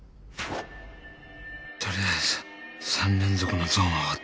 取りあえず３連続のゾーンは終わった